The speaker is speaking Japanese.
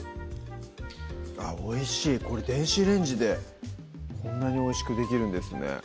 あっおいしいこれ電子レンジでこんなにおいしくできるんですね